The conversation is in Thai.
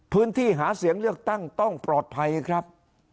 พื้นที่หาเสียงเลือกตั้งต้องปลอดภัยครับ